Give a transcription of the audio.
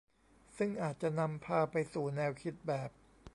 ซึ่งอาจจะนำพาไปสู่แนวคิดแบบ